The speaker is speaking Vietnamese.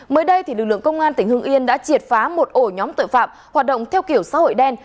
mới đây lực lượng công an tỉnh hưng yên đã triệt phá một ổ nhóm tội phạm hoạt động theo kiểu xã hội đen